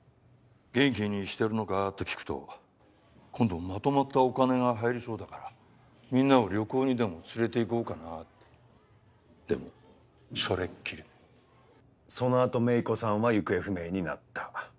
「元気にしてるのか？」と聞くと今度まとまったお金が入りそうだからみんなを旅行にでも連れて行こうかなってでもそれっきりその後芽衣子さんは行方不明になった。